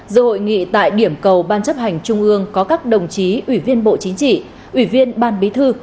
giữa hội nghị tại điểm cầu ban chấp hành trung ương có các đồng chí ủy viên bộ chính trị ủy viên ban bí thư